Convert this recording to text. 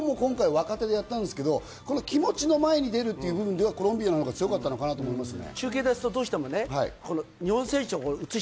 日本も若手でやったんですが、気持ちの前に出るという部分では、コロンビアの方が強かったのかなと思いますね。